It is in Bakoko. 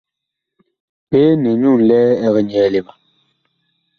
Peen ɛ nyu ŋlɛɛ eg nyɛɛle ma.